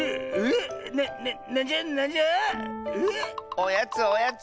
おやつおやつ！